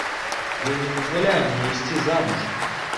Ён не дазваляе мне ісці замуж.